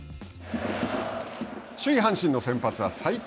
首位・阪神の先発は才木。